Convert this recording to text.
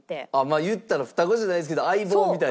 言ったら双子じゃないですけど相棒みたいな。